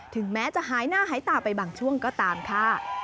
ถึงแม้จะหายหน้าหายตาไปบางช่วงก็ตามค่ะ